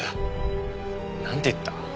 なんて言った？